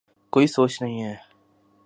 کوئی سوچ نہیں ہے۔